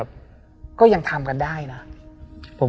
เพื่อที่จะให้แก้วเนี่ยหลอกลวงเค